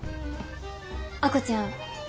亜子ちゃん